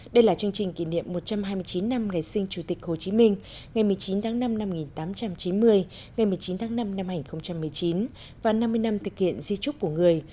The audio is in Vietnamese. đây là chương trình kỷ niệm một trăm hai mươi chín năm ngày sinh chủ tịch hồ chí minh ngày một mươi chín tháng năm năm một nghìn tám trăm chín mươi ngày một mươi chín tháng năm năm hai nghìn một mươi chín và năm mươi năm thực hiện di trúc của người